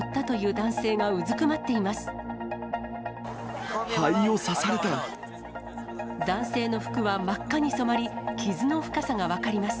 男性の服は真っ赤に染まり、傷の深さが分かります。